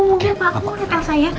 mungkin pak aku mau lihat elsa ya